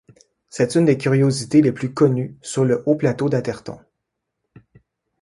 C'est une des curiosités les plus connues sur le Haut plateau d'Atherton.